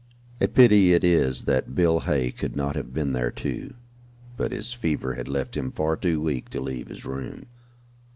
A pity it is that Bill Hay could not have been there, too, but his fever had left him far too weak to leave his room.